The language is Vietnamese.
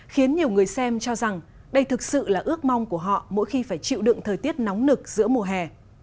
khiến nhiều người xem cho rằng đây thực sự là ước mong của họ mỗi khi phải chịu đựng thời tiết nóng nực giữa mùa hè